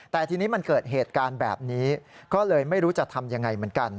แต่ทีนี้มันเกิดเหตุการณ์แบบนี้ก็เลยไม่รู้จะทำยังไงเหมือนกัน